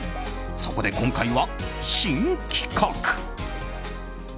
そこで今回は新企画。